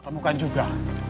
kamu kan juga